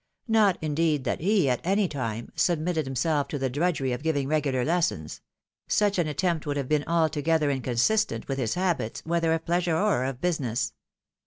Not, indeed, that he, at any time, submitted himself to the drudgery of giving regular lessons ; such an attempt would have been alto gether inconsistent with his habits, whether of pleasure or of business.